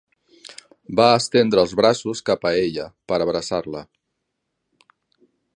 Va estendre els braços cap a ella per abraçar-la.